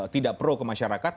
tidak pro ke masyarakat